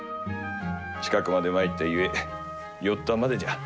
近くまで参ったゆえ寄ったまでじゃ。